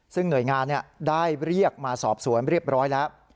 ซึ่งหน่วยงานได้เรียกมาสอบสวนเรียบร้อยแล้ว